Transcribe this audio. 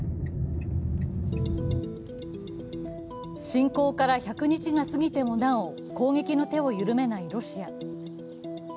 侵攻から１００日が過ぎてもなお攻撃の手を緩めないロシア。